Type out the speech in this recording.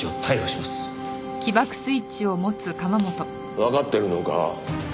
わかってるのか？